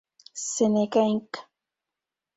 Seneca Inc.